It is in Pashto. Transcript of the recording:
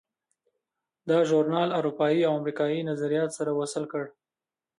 دا ژورنال اروپایي او امریکایي نظریات سره وصل کړل.